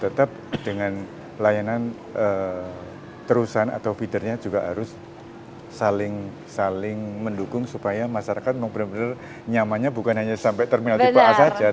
tetap dengan layanan terusan atau feedernya juga harus saling mendukung supaya masyarakat mau benar benar nyamannya bukan hanya sampai terminal tipe a saja